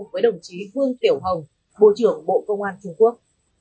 với đồng chí vương tiểu hồng bộ trưởng bộ công an trung quốc